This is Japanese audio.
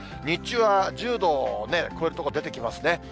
日中は１０度を超える所、出てきますね。